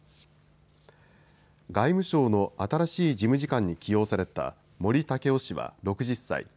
外務省の新しい事務次官に起用された森健良氏は６０歳。